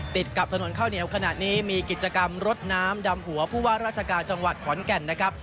ติดกับถนนข้าวเหนียวขณะนี้มีกิจกรรมรดน้ำดำหัวผู้ว่าราชการจังหวัดขอนแก่นนะครับ